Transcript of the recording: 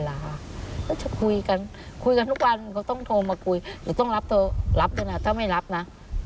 รับด้วยนะถ้าไม่รับนะ